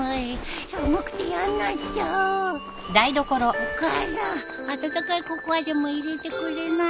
お母さん温かいココアでも入れてくれない？